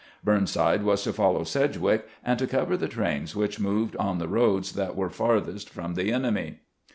Burnside was to follow Sedgwick, and to cover the trains which moved on the roads that were farthest from the enemy.